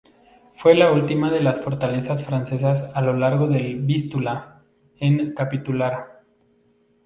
Fue la última de las fortalezas francesas a lo largo del Vístula en capitular.